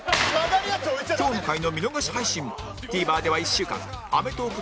今日の回の見逃し配信も ＴＶｅｒ では１週間アメトーーク